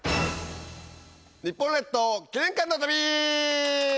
日本列島記念館の旅！